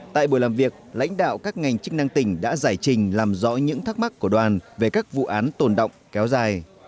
tại buổi làm việc lãnh đạo các ngành chức năng tỉnh đã giải trình làm rõ những thắc mắc của đoàn về các vụ án tồn động kéo dài